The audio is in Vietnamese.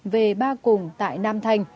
về ba cùng tại nam thành